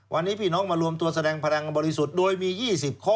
วันนี้พี่น้องมารวมตัวแสดงพลังบริสุทธิ์โดยมี๒๐ข้อ